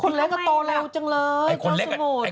เดี๋ยวคนเล็กก็ตอนเร็วจังเลย